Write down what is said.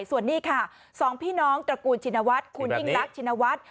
ส่วนนี้ค่ะสองพี่น้องตระกูลชินวัฒน์คุณยิ่งรักชินวัฒน์